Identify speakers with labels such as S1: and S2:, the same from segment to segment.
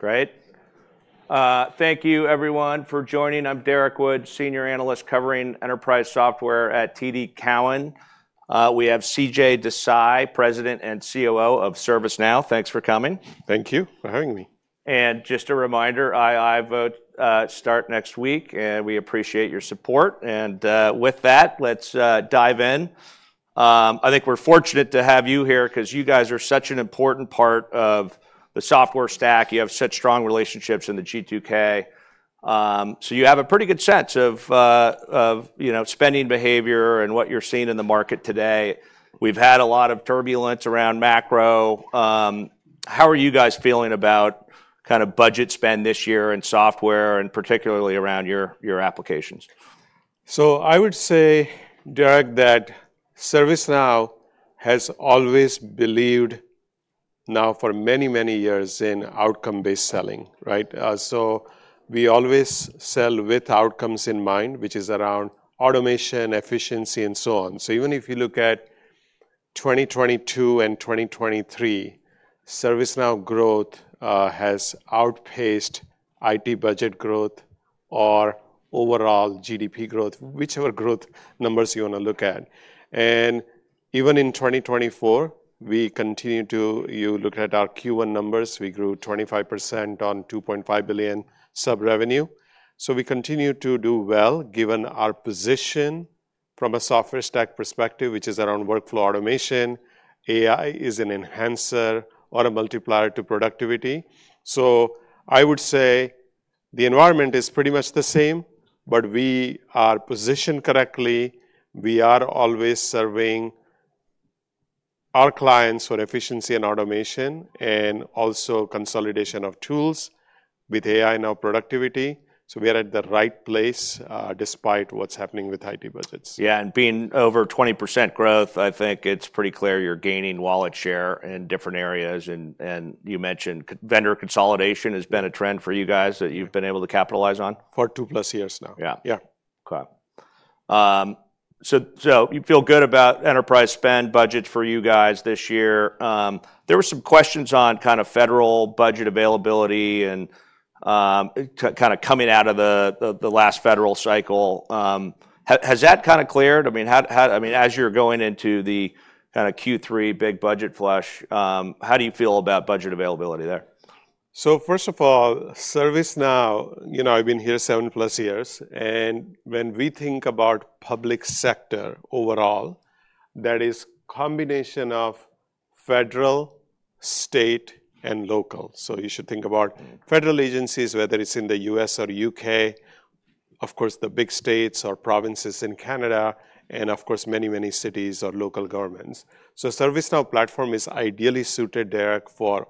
S1: Great. Thank you everyone for joining. I'm Derrick Wood, Senior Analyst covering enterprise software at TD Cowen. We have CJ Desai, President and COO of ServiceNow. Thanks for coming.
S2: Thank you for having me.
S1: And just a reminder, start next week, and we appreciate your support. With that, let's dive in. I think we're fortunate to have you here 'cause you guys are such an important part of the software stack. You have such strong relationships in the G2K. So you have a pretty good sense of, you know, spending behavior and what you're seeing in the market today. We've had a lot of turbulence around macro. How are you guys feeling about kind of budget spend this year in software, and particularly around your applications?
S2: So I would say, Derrick, that ServiceNow has always believed, now for many, many years, in outcome-based selling, right? So we always sell with outcomes in mind, which is around automation, efficiency, and so on. So even if you look at 2022 and 2023, ServiceNow growth has outpaced IT budget growth or overall GDP growth, whichever growth numbers you wanna look at. And even in 2024, we continue to, you look at our Q1 numbers, we grew 25% on $2.5 billion sub revenue. So we continue to do well, given our position from a software stack perspective, which is around workflow automation. AI is an enhancer or a multiplier to productivity. So I would say the environment is pretty much the same, but we are positioned correctly. We are always serving our clients for efficiency and automation, and also consolidation of tools, with AI now productivity. So we are at the right place, despite what's happening with IT budgets.
S1: Yeah, and being over 20% growth, I think it's pretty clear you're gaining wallet share in different areas, and, and you mentioned vendor consolidation has been a trend for you guys that you've been able to capitalize on.
S2: For 2+ years now.
S1: Yeah.
S2: Yeah.
S1: Okay. So you feel good about enterprise spend budgets for you guys this year. There were some questions on kind of federal budget availability and kinda coming out of the last federal cycle. Has that kinda cleared? I mean, as you're going into the kinda Q3 big budget flush, how do you feel about budget availability there?
S2: So first of all, ServiceNow, you know, I've been here 7+ years, and when we think about public sector overall, that is combination of federal, state, and local. So you should think about.
S1: Mm.
S2: Federal agencies, whether it's in the U.S. or U.K., of course, the big states or provinces in Canada, and of course, many, many cities or local governments. So ServiceNow platform is ideally suited, Derrick, for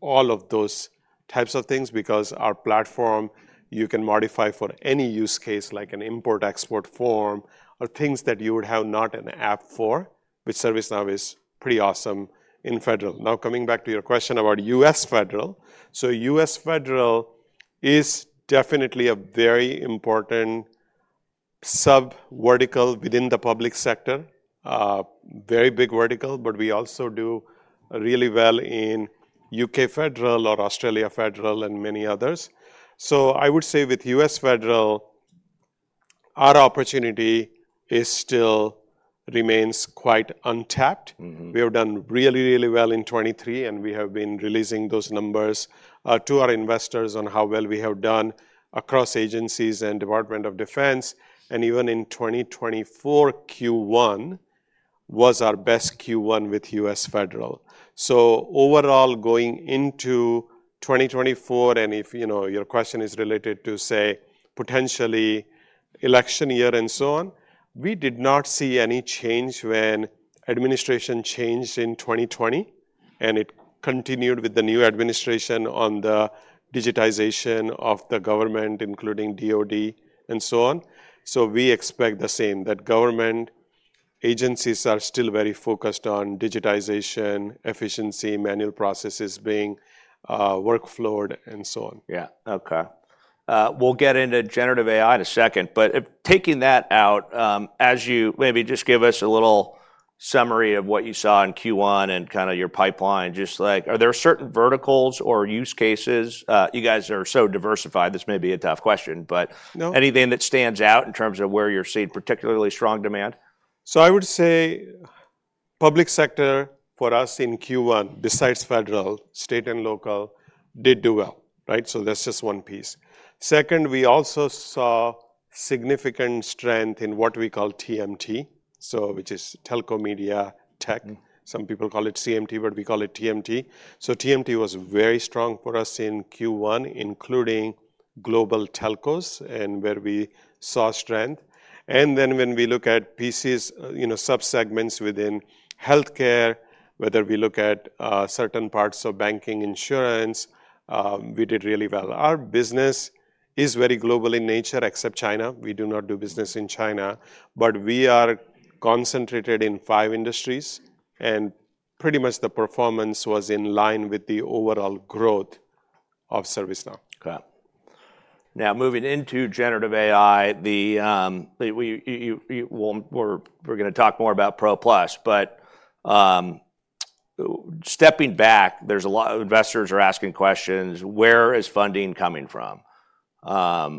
S2: all of those types of things, because our platform, you can modify for any use case, like an import/export form, or things that you would have not an app for, which ServiceNow is pretty awesome in federal. Now, coming back to your question about U.S. federal, so U.S. federal is definitely a very important sub-vertical within the public sector. Very big vertical, but we also do really well in U.K. federal or Australia federal and many others. So I would say with U.S. federal, our opportunity is still remains quite untapped.
S1: Mm-hmm.
S2: We have done really, really well in 2023, and we have been releasing those numbers to our investors on how well we have done across agencies and Department of Defense. Even in 2024, Q1 was our best Q1 with U.S. federal. So overall, going into 2024, and if, you know, your question is related to, say, potentially election year and so on, we did not see any change when administration changed in 2020, and it continued with the new administration on the digitization of the government, including DoD and so on. So we expect the same, that government agencies are still very focused on digitization, efficiency, manual processes being workflowed, and so on.
S1: Yeah. Okay. We'll get into generative AI in a second, but taking that out, as you, maybe just give us a little summary of what you saw in Q1 and kinda your pipeline. Just like, are there certain verticals or use cases? You guys are so diversified, this may be a tough question, but.
S2: No.
S1: Anything that stands out in terms of where you're seeing particularly strong demand?
S2: So I would say, public sector, for us in Q1, besides federal, state and local, did do well, right? So that's just one piece. Second, we also saw significant strength in what we call TMT, so which is telecom, media, tech.
S1: Mm.
S2: Some people call it CMT, but we call it TMT. So TMT was very strong for us in Q1, including global telcos and where we saw strength. And then when we look at PCs, you know, subsegments within healthcare, whether we look at certain parts of banking, insurance, we did really well. Our business is very global in nature, except China. We do not do business in China, but we are concentrated in five industries, and pretty much the performance was in line with the overall growth of ServiceNow.
S1: Okay. Now moving into generative AI, we're gonna talk more about Pro Plus. But, stepping back, there's a lot of investors are asking questions: Where is funding coming from?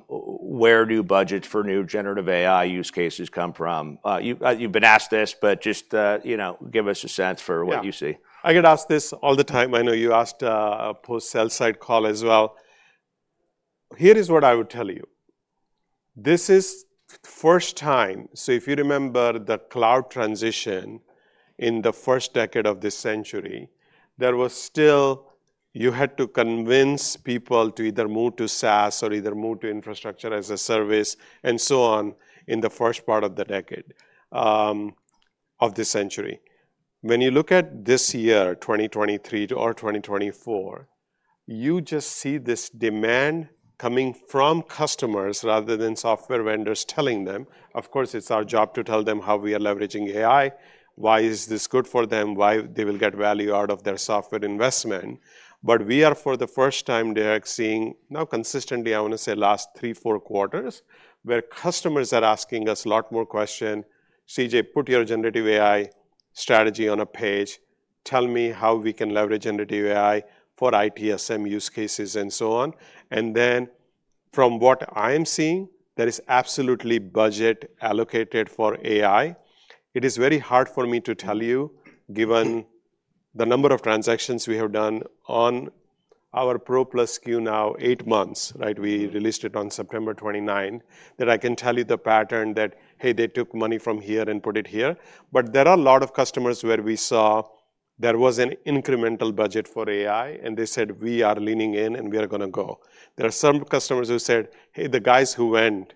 S1: Where do budgets for new generative AI use cases come from? You've been asked this, but just, you know, give us a sense for what you see.
S2: Yeah. I get asked this all the time. I know you asked a post-sell side call as well. Here is what I would tell you. This is first time. So if you remember the cloud transition in the first decade of this century, there was still, you had to convince people to either move to SaaS or either move to infrastructure as a service, and so on, in the first part of the decade of this century. When you look at this year, 2023 to, or 2024, you just see this demand coming from customers rather than software vendors telling them. Of course, it's our job to tell them how we are leveraging AI, why is this good for them, why they will get value out of their software investment. But we are, for the first time, they are seeing, now consistently, I want to say last three, four quarters, where customers are asking us a lot more question, "CJ, put your generative AI strategy on a page. Tell me how we can leverage generative AI for ITSM use cases," and so on. And then, from what I'm seeing, there is absolutely budget allocated for AI. It is very hard for me to tell you, given the number of transactions we have done on our Pro Plus SKU now eight months, right? We released it on September 29. That I can tell you the pattern that, hey, they took money from here and put it here. But there are a lot of customers where we saw there was an incremental budget for AI, and they said, "We are leaning in, and we are gonna go." There are some customers who said, "Hey, the guys who went,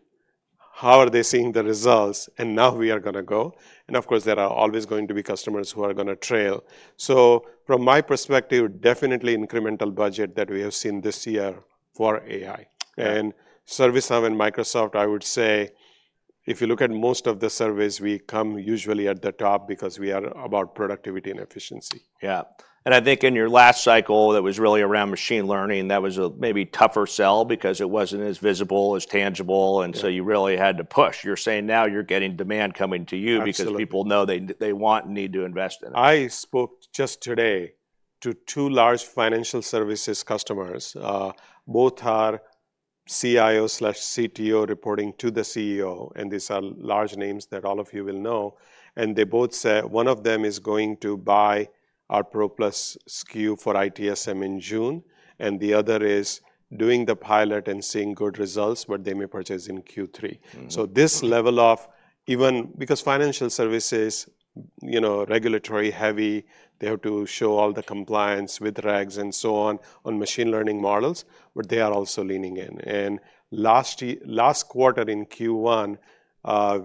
S2: how are they seeing the results? And now we are gonna go." And of course, there are always going to be customers who are gonna trail. So from my perspective, definitely incremental budget that we have seen this year for AI.
S1: Yeah.
S2: ServiceNow and Microsoft, I would say, if you look at most of the surveys, we come usually at the top because we are about productivity and efficiency.
S1: Yeah. And I think in your last cycle, that was really around machine learning, that was a maybe tougher sell because it wasn't as visible, as tangible.
S2: Yeah.
S1: And so you really had to push. You're saying now you're getting demand coming to you.
S2: Absolutely.
S1: Because people know they want and need to invest in it.
S2: I spoke just today to two large financial services customers. Both are CIO/CTO reporting to the CEO, and these are large names that all of you will know. And they both said, one of them is going to buy our Pro Plus SKU for ITSM in June, and the other is doing the pilot and seeing good results, but they may purchase in Q3.
S1: Mm-hmm.
S2: So this level of, even because financial services, you know, regulatory heavy, they have to show all the compliance with regs and so on, on machine learning models, but they are also leaning in. And last quarter, in Q1,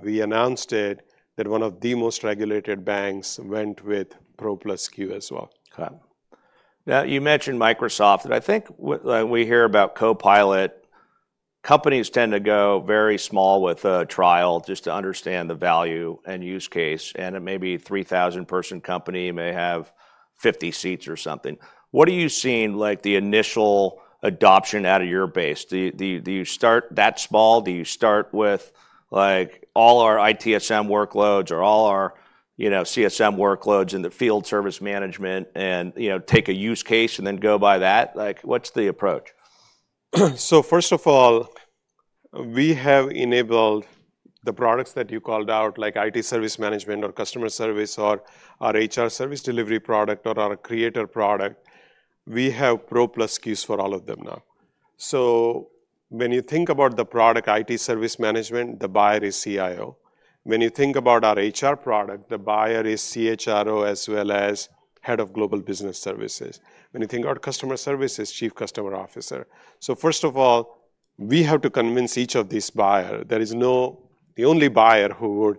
S2: we announced it, that one of the most regulated banks went with Pro Plus SKU as well.
S1: Okay. Now, you mentioned Microsoft, and I think what we hear about Copilot, companies tend to go very small with a trial just to understand the value and use case, and it may be a 3,000-person company, may have 50 seats or something. What are you seeing, like, the initial adoption out of your base? Do you start that small? Do you start with, like, all our ITSM workloads or all our, you know, CSM workloads in the Field Service Management and, you know, take a use case and then go by that? Like, what's the approach?
S2: So first of all, we have enabled the products that you called out, like IT Service Management or Customer Service or our HR Service Delivery product or our Creator product. We have Pro Plus SKUs for all of them now. So when you think about the product, IT Service Management, the buyer is CIO. When you think about our HR product, the buyer is CHRO as well as Head of Global Business Services. When you think our Customer Service is Chief Customer Officer. So first of all, we have to convince each of these buyers, there is no. The only buyer who would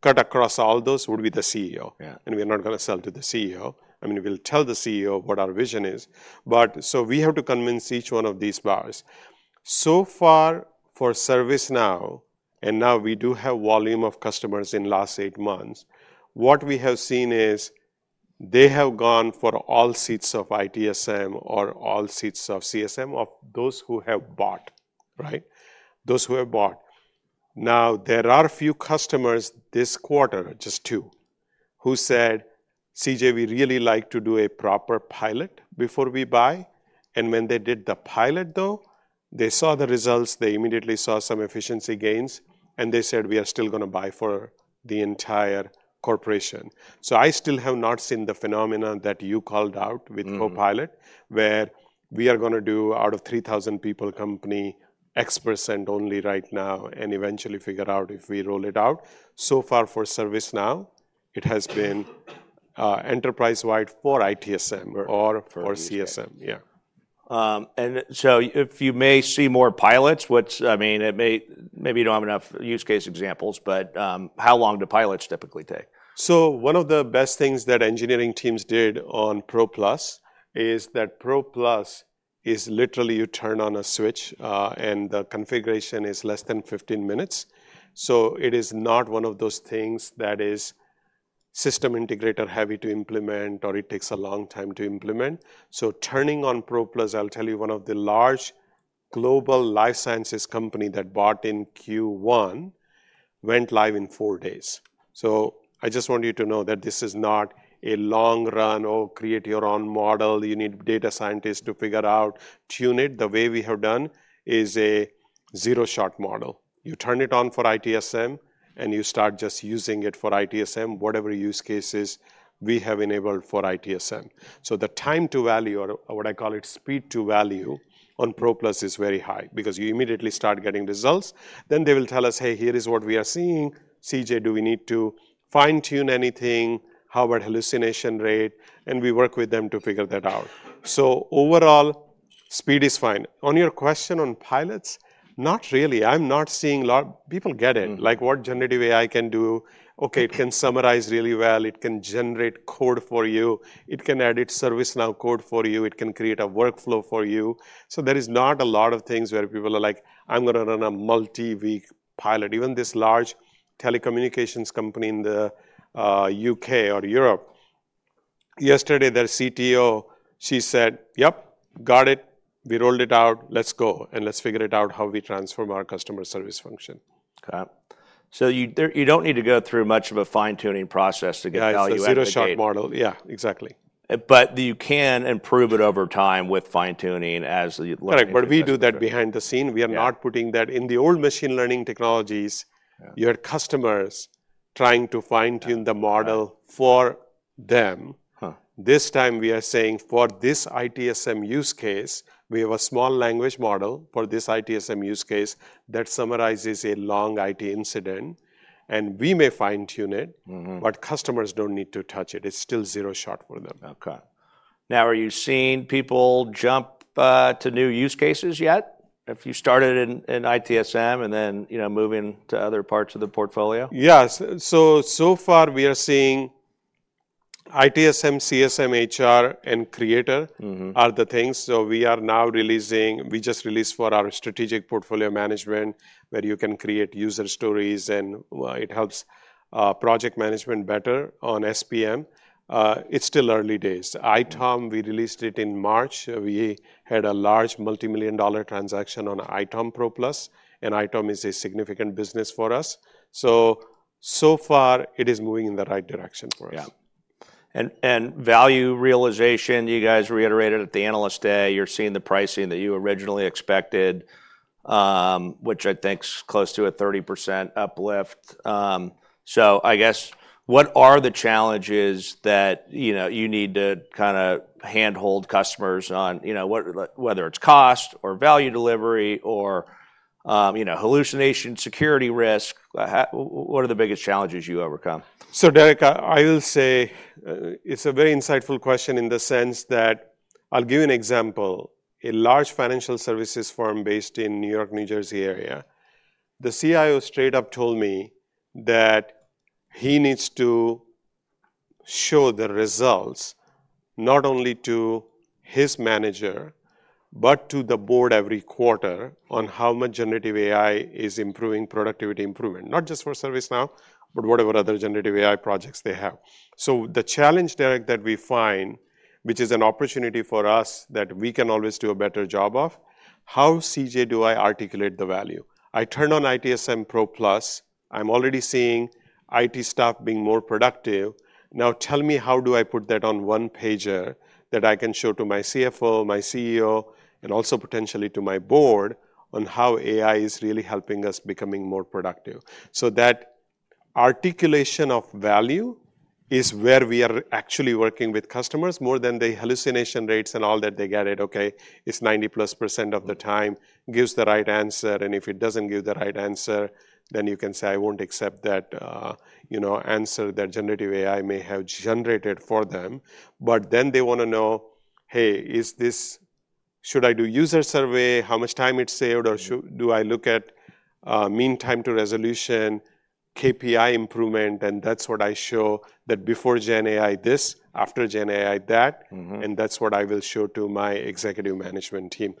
S2: cut across all those would be the CEO.
S1: Yeah.
S2: We are not gonna sell to the CEO. I mean, we'll tell the CEO what our vision is, but so we have to convince each one of these buyers. So far, for ServiceNow, and now we do have volume of customers in last eight months, what we have seen is they have gone for all seats of ITSM or all seats of CSM, of those who have bought, right? Those who have bought. Now, there are a few customers this quarter, just two, who said, "CJ, we really like to do a proper pilot before we buy." When they did the pilot, though, they saw the results, they immediately saw some efficiency gains, and they said, "We are still gonna buy for the entire corporation." I still have not seen the phenomenon that you called out.
S1: Mm-hmm.
S2: With Copilot, where we are gonna do out of 3,000 people company, X% only right now, and eventually figure out if we roll it out. So far for ServiceNow, it has been enterprise-wide for ITSM.
S1: Right.
S2: Or for CSM.
S1: Yeah.
S2: Yeah.
S1: And so if you may see more pilots, which, I mean, it may, maybe you don't have enough use case examples, but, how long do pilots typically take?
S2: So one of the best things that engineering teams did on Pro Plus is that Pro Plus is literally you turn on a switch, and the configuration is less than 15 minutes. So it is not one of those things that system integrator heavy to implement, or it takes a long time to implement. So turning on Pro Plus, I'll tell you, one of the large global life sciences company that bought in Q1, went live in four days. So I just want you to know that this is not a long run or create your own model, you need data scientists to figure out, tune it. The way we have done is a zero-shot model. You turn it on for ITSM, and you start just using it for ITSM, whatever use cases we have enabled for ITSM. So the time to value, or what I call it, speed to value, on Pro Plus is very high, because you immediately start getting results. Then they will tell us, "Hey, here is what we are seeing. CJ, do we need to fine-tune anything? How about hallucination rate?" And we work with them to figure that out. So overall, speed is fine. On your question on pilots, not really. I'm not seeing a lot. People get it.
S1: Mm.
S2: Like, what generative AI can do?
S1: Mm.
S2: Okay, it can summarize really well, it can generate code for you, it can edit ServiceNow code for you, it can create a workflow for you. So there is not a lot of things where people are like, "I'm going to run a multi-week pilot." Even this large telecommunications company in the U.K. or Europe, yesterday, their CTO, she said, "Yep, got it. We rolled it out. Let's go, and let's figure it out how we transform our customer service function."
S1: Okay. So you there, you don't need to go through much of a fine-tuning process to get value out of the gate?
S2: It's a zero-shot model. Yeah, exactly.
S1: But you can improve it over time with fine-tuning as the?
S2: Correct, but we do that behind the scenes.
S1: Yeah.
S2: We are not putting that. In the old machine learning technologies.
S1: Yeah.
S2: Your customers trying to fine-tune.
S1: Yeah.
S2: The model for them.
S1: Huh.
S2: This time we are saying, for this ITSM use case, we have a small language model for this ITSM use case that summarizes a long IT incident, and we may fine-tune it.
S1: Mm-hmm.
S2: But customers don't need to touch it. It's still zero-shot for them.
S1: Okay. Now, are you seeing people jump to new use cases yet, if you started in ITSM, and then, you know, moving to other parts of the portfolio?
S2: Yeah. So, so far, we are seeing ITSM, CSM, HR, and Creator.
S1: Mm-hmm.
S2: Are the things. So we are now releasing, we just released for our Strategic Portfolio Management, where you can create user stories, and it helps project management better on SPM. It's still early days.
S1: Mm.
S2: ITOM, we released it in March. We had a large multimillion-dollar transaction on ITOM Pro Plus, and ITOM is a significant business for us. So, so far, it is moving in the right direction for us.
S1: Yeah. And value realization, you guys reiterated at the Analyst Day, you're seeing the pricing that you originally expected, which I think is close to a 30% uplift. So I guess, what are the challenges that, you know, you need to kind of hand-hold customers on? You know, whether it's cost, or value delivery, or, you know, hallucination, security risk, what are the biggest challenges you overcome?
S2: So, Derrick, I will say, it's a very insightful question in the sense that, I'll give you an example. A large financial services firm based in New York, New Jersey area, the CIO straight up told me that he needs to show the results not only to his manager, but to the board every quarter, on how much generative AI is improving productivity improvement. Not just for ServiceNow, but whatever other generative AI projects they have. So the challenge, Derrick, that we find, which is an opportunity for us that we can always do a better job of: "How, CJ, do I articulate the value? I turn on ITSM Pro Plus, I'm already seeing IT staff being more productive. Now, tell me, how do I put that on one pager that I can show to my CFO, my CEO, and also potentially to my board, on how AI is really helping us becoming more productive?" So that articulation of value is where we are actually working with customers, more than the hallucination rates and all that. They get it, okay. It's 90%+ of the time gives the right answer, and if it doesn't give the right answer, then you can say, "I won't accept that," you know, answer that generative AI may have generated for them. But then they want to know, "Hey, is this? Should I do user survey? How much time it saved?
S1: Mm.
S2: Or should I look at Mean Time to Resolution, KPI improvement, and that's what I show, that before GenAI this, after GenAI that?
S1: Mm-hmm.
S2: That's what I will show to my executive management team."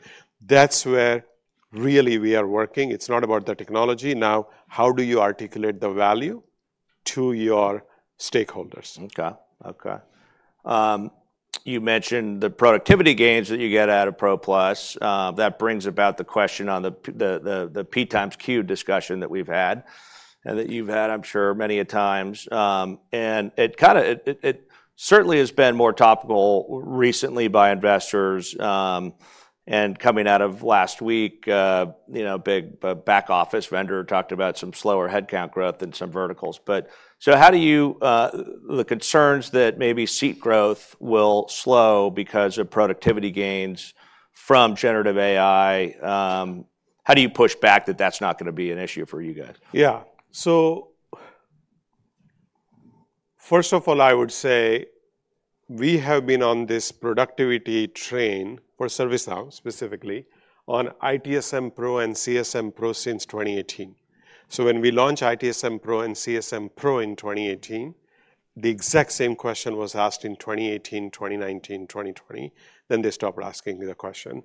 S2: That's where really we are working. It's not about the technology. Now, how do you articulate the value to your stakeholders?
S1: Okay. Okay. You mentioned the productivity gains that you get out of Pro Plus. That brings about the question on the P x Q discussion that we've had, and that you've had, I'm sure, many a times. And it kind of, it certainly has been more topical recently by investors. And coming out of last week, you know, a big back office vendor talked about some slower headcount growth than some verticals. But so how do you, the concerns that maybe seat growth will slow because of productivity gains from generative AI, how do you push back that that's not gonna be an issue for you guys?
S2: Yeah. So first of all, I would say we have been on this productivity train, for ServiceNow specifically, on ITSM Pro and CSM Pro since 2018. So when we launched ITSM Pro and CSM Pro in 2018, the exact same question was asked in 2018, 2019, 2020, then they stopped asking the question.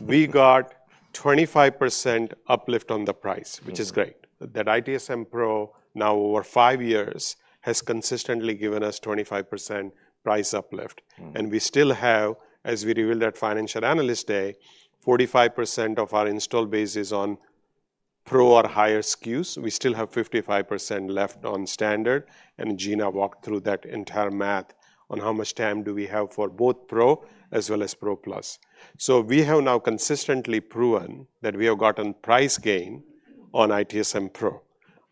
S2: We got 25% uplift on the price.
S1: Mm.
S2: Which is great. That ITSM Pro, now over five years, has consistently given us 25% price uplift.
S1: Mm.
S2: And we still have, as we revealed at Financial Analyst Day, 45% of our install base is on Pro or higher SKUs. We still have 55% left on standard, and Gina walked through that entire math on how much time do we have for both Pro as well as Pro Plus. So we have now consistently proven that we have gotten price gain on ITSM Pro.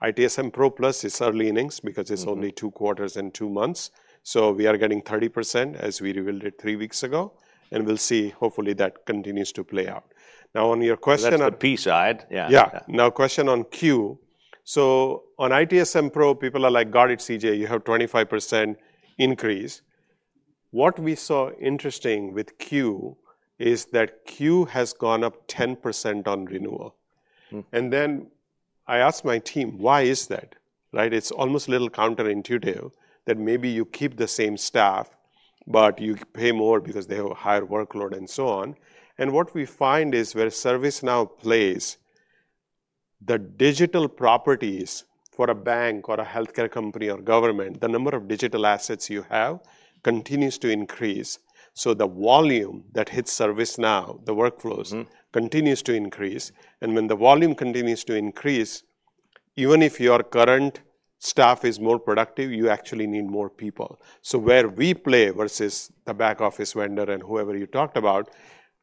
S2: ITSM Pro Plus is early innings because it's.
S1: Mm.
S2: Only two quarters and two months, so we are getting 30%, as we revealed it three weeks ago, and we'll see, hopefully, that continues to play out. Now, on your question on.
S1: That's the P side. Yeah.
S2: Yeah. Now, question on Q: So on ITSM Pro, people are like, "Got it, CJ, you have 25% increase." What we saw interesting with Q is that Q has gone up 10% on renewal.
S1: Hmm.
S2: Then I asked my team: Why is that, right? It's almost a little counterintuitive that maybe you keep the same staff, but you pay more because they have a higher workload, and so on. What we find is, where ServiceNow plays, the digital properties for a bank or a healthcare company or government, the number of digital assets you have continues to increase. So the volume that hits ServiceNow, the workflows.
S1: Mm.
S2: Continues to increase. When the volume continues to increase, even if your current staff is more productive, you actually need more people. So where we play, versus the back office vendor and whoever you talked about,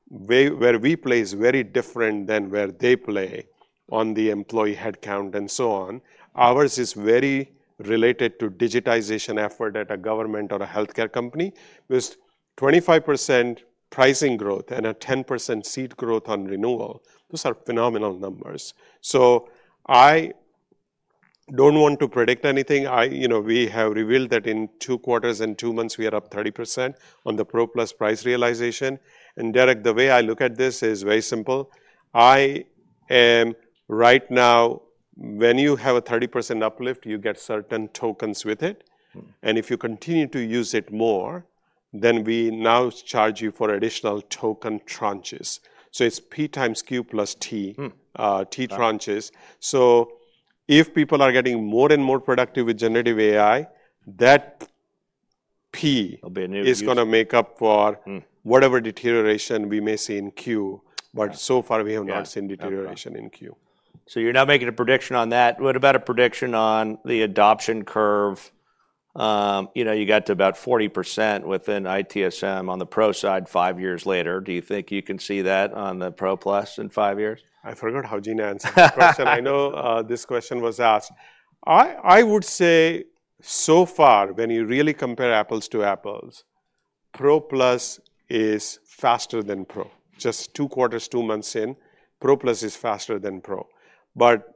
S2: where we play is very different than where they play on the employee headcount, and so on. Ours is very related to digitization effort at a government or a healthcare company. With 25% pricing growth and a 10% seat growth on renewal, those are phenomenal numbers. So I don't want to predict anything. I, you know, we have revealed that in two quarters and two months, we are up 30% on the Pro Plus price realization. And Derrick, the way I look at this is very simple. I am. Right now, when you have a 30% uplift, you get certain tokens with it.
S1: Mm.
S2: And if you continue to use it more, then we now charge you for additional token tranches. So it's P x Q + T.
S1: Hmm.
S2: T tranches. So if people are getting more and more productive with Generative AI, that P.
S1: There'll be a new use.
S2: Is gonna make up for.
S1: Hmm.
S2: Whatever deterioration we may see in Q, but so far.
S1: Yeah.
S2: We have not seen deterioration in Q.
S1: So you're not making a prediction on that. What about a prediction on the adoption curve? You know, you got to about 40% within ITSM on the Pro side, five years later. Do you think you can see that on the Pro Plus in five years?
S2: I forgot how Gina answered that question. I know, this question was asked. I would say, so far, when you really compare apples to apples, Pro Plus is faster than Pro. Just two quarters, two months in, Pro Plus is faster than Pro. But,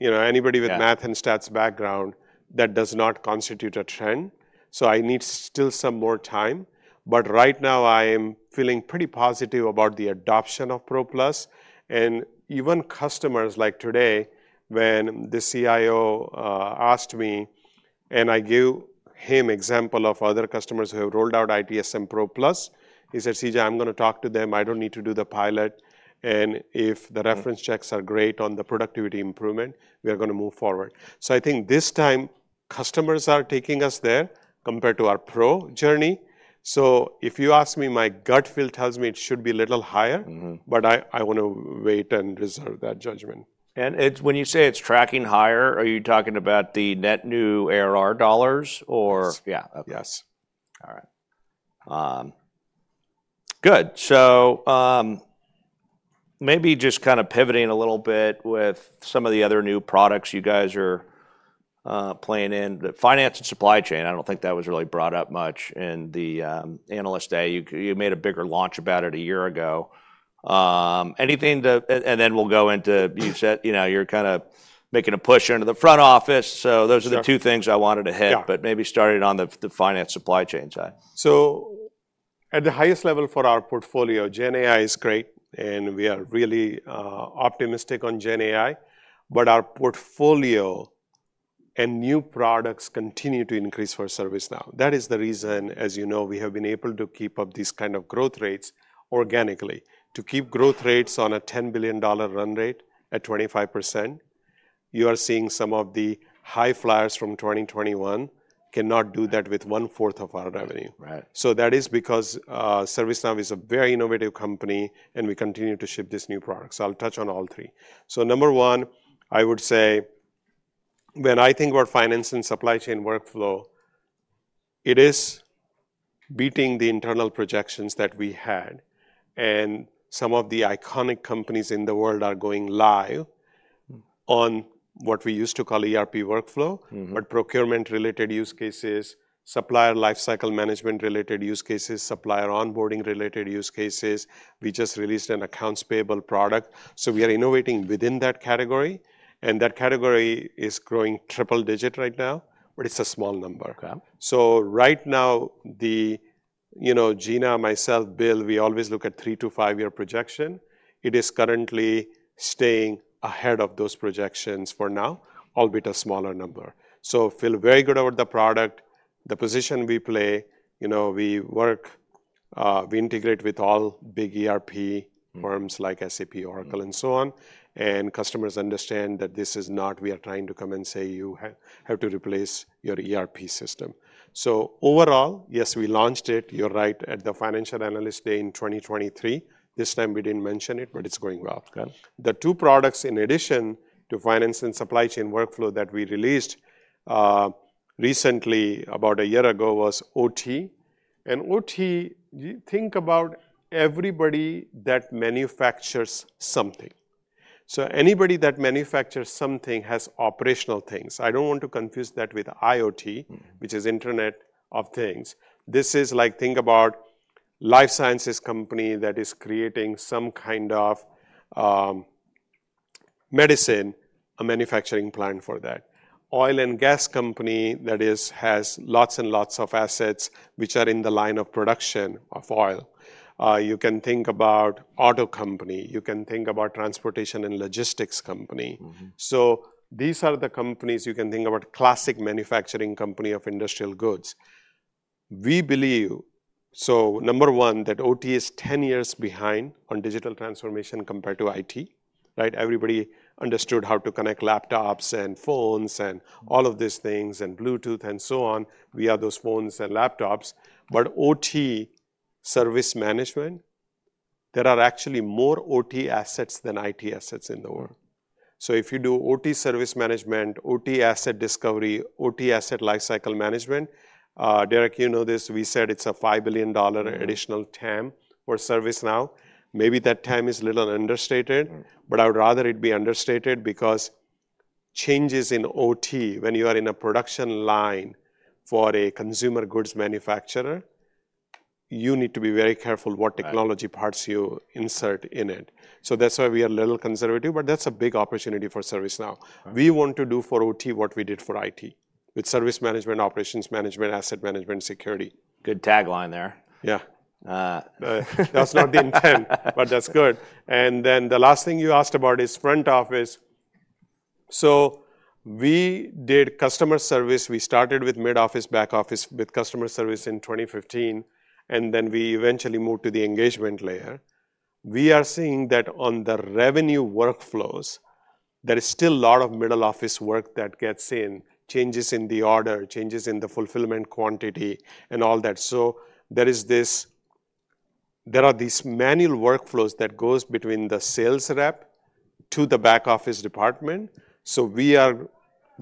S2: you know, anybody with.
S1: Yeah.
S2: Math and stats background, that does not constitute a trend, so I need still some more time. But right now, I am feeling pretty positive about the adoption of Pro Plus. And even customers, like today, when the CIO asked me, and I gave him example of other customers who have rolled out ITSM Pro Plus, he said, "CJ, I'm gonna talk to them. I don't need to do the pilot, and if the reference checks are great on the productivity improvement, we are gonna move forward." So I think this time, customers are taking us there compared to our Pro journey. So if you ask me, my gut feel tells me it should be a little higher.
S1: Mm-hmm.
S2: But I want to wait and reserve that judgment.
S1: When you say it's tracking higher, are you talking about the net new ARR dollars or?
S2: Yes.
S1: Yeah. Okay.
S2: Yes.
S1: All right. Good. So, maybe just kind of pivoting a little bit with some of the other new products you guys are playing in. The finance and supply chain, I don't think that was really brought up much in the analyst day. You, you made a bigger launch about it a year ago. Anything that, and then we'll go into, you said, you know, you're kind of making a push into the front office.
S2: Sure.
S1: So those are the two things I wanted to hit.
S2: Yeah.
S1: But maybe starting on the finance supply chain side.
S2: So at the highest level for our portfolio, GenAI is great, and we are really optimistic on GenAI, but our portfolio and new products continue to increase for ServiceNow. That is the reason, as you know, we have been able to keep up these kind of growth rates organically. To keep growth rates on a $10 billion run rate at 25%, you are seeing some of the high flyers from 2021 cannot do that with 1/4 of our revenue.
S1: Right.
S2: So that is because ServiceNow is a very innovative company, and we continue to ship these new products. I'll touch on all three. Number one, I would say, when I think about Finance and Supply Chain Workflows, it is beating the internal projections that we had, and some of the iconic companies in the world are going live.
S1: Mm.
S2: On what we used to call ERP workflow.
S1: Mm-hmm.
S2: But procurement-related use cases, Supplier Lifecycle Management-related use cases, supplier onboarding-related use cases, we just released an Accounts Payable product. So we are innovating within that category, and that category is growing triple-digit right now, but it's a small number.
S1: Okay.
S2: So right now, the, you know, Gina, myself, Bill, we always look at three- to five-year projection. It is currently staying ahead of those projections for now, albeit a smaller number. So feel very good about the product, the position we play, you know, we work, we integrate with all big ERP firms.
S1: Mm.
S2: Like SAP, Oracle, and so on. Customers understand that this is not we are trying to come and say, "You have to replace your ERP system." So overall, yes, we launched it, you're right, at the Financial Analyst Day in 2023. This time we didn't mention it, but it's going well.
S1: Okay.
S2: The two products, in addition to Finance and Supply Chain Workflows, that we released recently, about a year ago, was OT. And OT, you think about everybody that manufactures something. So anybody that manufactures something has operational things. I don't want to confuse that with IoT.
S1: Mm-hmm.
S2: Which is Internet of Things. This is like, think about life sciences company that is creating some kind of medicine, a manufacturing plant for that. Oil and gas company that is, has lots and lots of assets, which are in the line of production of oil. You can think about auto company, you can think about transportation and logistics company.
S1: Mm-hmm.
S2: So these are the companies you can think about, classic manufacturing company of industrial goods. We believe, so number one, that OT is ten years behind on digital transformation compared to IT, right? Everybody understood how to connect laptops, and phones, and all of these things, and Bluetooth, and so on. We have those phones and laptops, but OT Service Management, there are actually more OT assets than IT assets in the world. So if you do OT Service Management, OT Asset Discovery, OT Asset Lifecycle Management, Derrick, you know this, we said it's a $5 billion.
S1: Mm.
S2: Additional TAM for ServiceNow. Maybe that TAM is a little understated.
S1: Mm.
S2: But I would rather it be understated, because changes in OT, when you are in a production line for a consumer goods manufacturer, you need to be very careful what technology.
S1: Right.
S2: Parts you insert in it. So that's why we are a little conservative, but that's a big opportunity for ServiceNow.
S1: Right.
S2: We want to do for OT what we did for IT, with service management, operations management, asset management, security.
S1: Good tagline there.
S2: Yeah.
S1: Uh.
S2: That's not the intent, but that's good. And then the last thing you asked about is front office. So we did customer service. We started with mid office, back office, with customer service in 2015, and then we eventually moved to the engagement layer. We are seeing that on the revenue workflows, there is still a lot of middle office work that gets in, changes in the order, changes in the fulfillment quantity, and all that. So there is this. There are these manual workflows that goes between the sales rep to the back office department. So we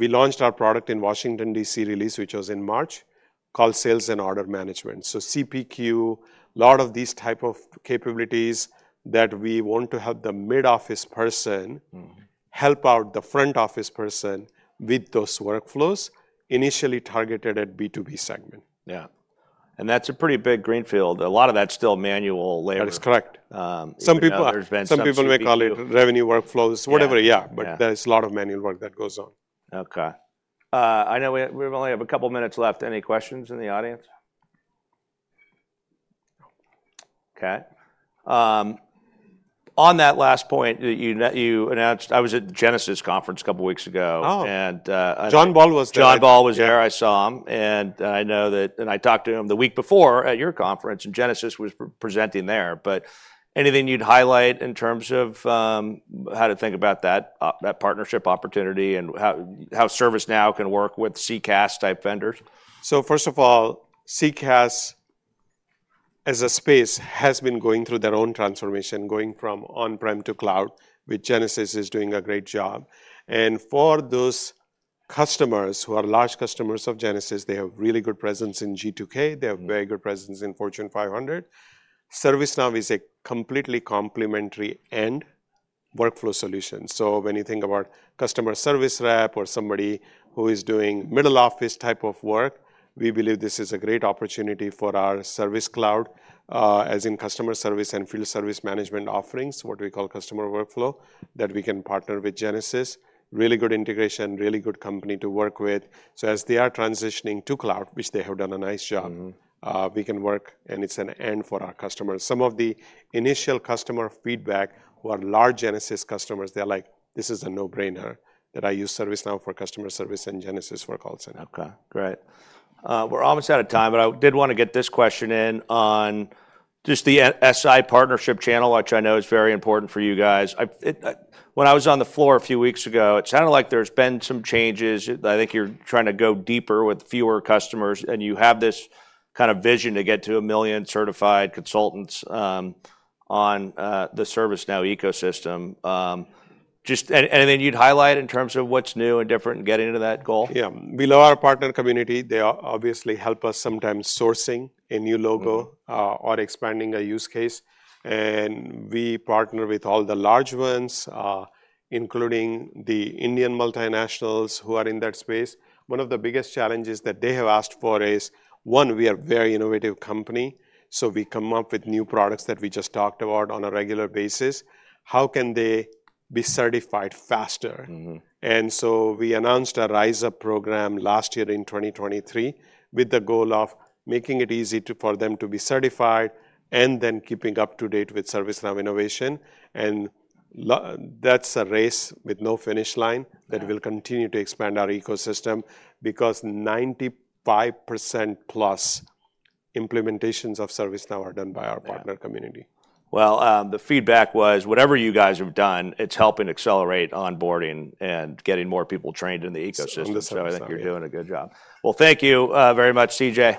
S2: launched our product in Washington, D.C. release, which was in March, called Sales and Order Management. So CPQ, a lot of these type of capabilities that we want to help the mid-office person.
S1: Mm.
S2: Help out the front office person with those workflows, initially targeted at B2B segment.
S1: Yeah. That's a pretty big greenfield. A lot of that's still manual labor.
S2: That is correct.
S1: You know, there's been some CPQ.
S2: Some people may call it revenue workflows.
S1: Yeah.
S2: Whatever, yeah.
S1: Yeah.
S2: But there's a lot of manual work that goes on.
S1: Okay. I know we only have a couple minutes left. Any questions in the audience? Okay, on that last point that you announced. I was at the Genesys Conference a couple weeks ago.
S2: Oh.
S1: And, I.
S2: John Ball was there.
S1: John Ball was there, I saw him, and I know that. And I talked to him the week before at your conference, and Genesys was presenting there. But anything you'd highlight in terms of how to think about that partnership opportunity, and how ServiceNow can work with CCaaS-type vendors?
S2: So first of all, CCaaS, as a space, has been going through their own transformation, going from on-prem to cloud, which Genesys is doing a great job. And for those customers who are large customers of Genesys, they have really good presence in G2K, they have very good presence in Fortune 500. ServiceNow is a completely complementary and workflow solution. So when you think about customer service rep or somebody who is doing middle office type of work, we believe this is a great opportunity for our service cloud, as in customer service and field service management offerings, what we call customer workflow, that we can partner with Genesys. Really good integration, really good company to work with. So as they are transitioning to cloud, which they have done a nice job.
S1: Mm-hmm.
S2: We can work, and it's an end for our customers. Some of the initial customer feedback, who are large Genesys customers, they're like: "This is a no-brainer, that I use ServiceNow for customer service and Genesys for call center.
S1: Okay, great. We're almost out of time, but I did want to get this question in on just the SI partnership channel, which I know is very important for you guys. When I was on the floor a few weeks ago, it sounded like there's been some changes. I think you're trying to go deeper with fewer customers, and you have this kind of vision to get to 1 million certified consultants on the ServiceNow ecosystem. Just, and then you'd highlight in terms of what's new and different in getting to that goal?
S2: Yeah. Below our partner community, they are obviously help us sometimes sourcing a new logo.
S1: Mm.
S2: Or expanding a use case. And we partner with all the large ones, including the Indian multinationals who are in that space. One of the biggest challenges that they have asked for is, one, we are a very innovative company, so we come up with new products that we just talked about on a regular basis. How can they be certified faster?
S1: Mm-hmm.
S2: And so we announced a RiseUp program last year in 2023, with the goal of making it easy to, for them to be certified, and then keeping up to date with ServiceNow innovation. And that's a race with no finish line.
S1: Right.
S2: That will continue to expand our ecosystem, because 95%+ implementations of ServiceNow are done by our partner community.
S1: Yeah. Well, the feedback was, whatever you guys have done, it's helping accelerate onboarding and getting more people trained in the ecosystem.
S2: On the ServiceNow, yeah.
S1: So I think you're doing a good job. Well, thank you, very much, CJ.